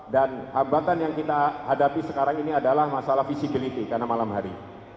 dan hambatan yang kita hadapi sekarang ini adalah masalah visibility karena malam hari